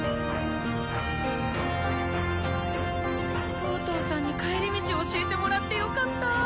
トートーさんに帰り道教えてもらってよかった！